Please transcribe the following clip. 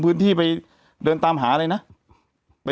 แต่หนูจะเอากับน้องเขามาแต่ว่า